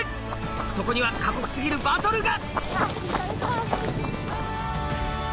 そこには過酷過ぎるバトルが！